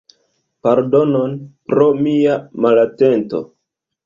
Pardonon pro mia malatento.